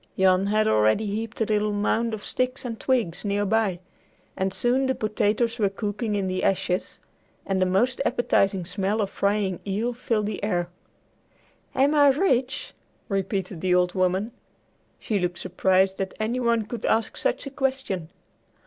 Jan had already heaped a little mound of sticks and twigs near by, and soon the potatoes were cooking in the ashes, and a most appetizing smell of frying eel filled the air. "Am I rich?" repeated the old woman. She looked surprised that any one could ask such a question.